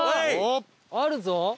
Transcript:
あるぞ！